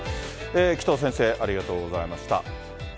紀藤先生、ありがとうございました。